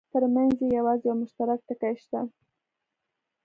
ترمنځ یې یوازې یو مشترک ټکی شته.